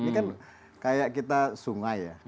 ini kan kayak kita sungai ya